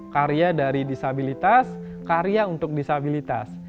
karya dari disabilitas karya untuk disabilitas